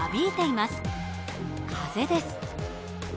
風です。